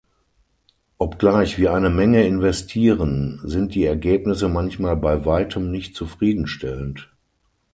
Obgleich wir eine Menge investieren, sind die Ergebnisse manchmal bei weitem nicht zufrieden stellend.